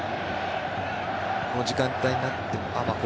この時間帯になっても。